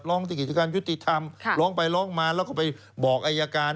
ที่กิจการยุติธรรมร้องไปร้องมาแล้วก็ไปบอกอายการ